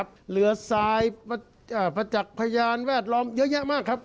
ประจักษ์พยานแวดล้อมเยอะแยะมากครับ